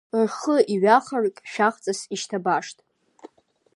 Рхы иҩахаргь шәахҵас ишьҭабашт.